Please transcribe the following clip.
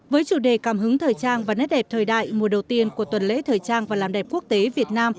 với chủ đề cảm hứng thời trang và nét đẹp thời đại mùa đầu tiên của tuần lễ thời trang và làm đẹp quốc tế việt nam